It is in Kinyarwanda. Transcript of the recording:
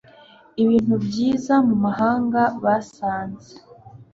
Ibintu byiza mumahanga basanze